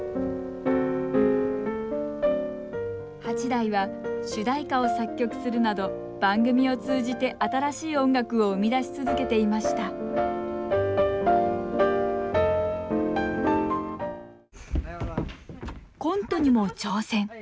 八大は主題歌を作曲するなど番組を通じて新しい音楽を生み出し続けていましたコントにも挑戦